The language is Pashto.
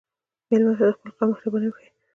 مېلمه ته د خپل قوم مهرباني وښیه.